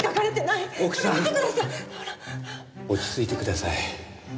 落ち着いてください。